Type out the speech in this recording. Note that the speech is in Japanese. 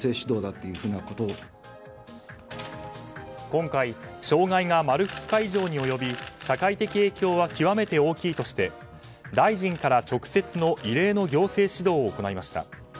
今回、障害が丸２日以上に及び社会的影響は極めて大きいとして大臣から直接の異例の行政指導を行いました。